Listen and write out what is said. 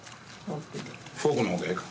フォークの方がええか。